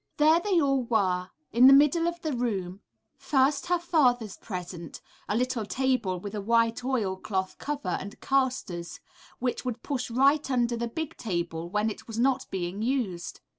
There they all were, in the middle of the room: first her father's present, a little table with a white oilcloth cover and casters, which would push right under the big table when it was not being used.